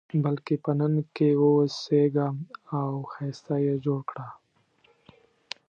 بلکې په نن کې واوسېږه او ښایسته یې جوړ کړه.